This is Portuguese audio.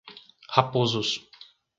Raposos